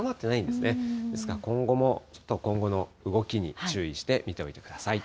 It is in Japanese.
ですから今後もちょっと、今後の動きに注意して見ておいてください。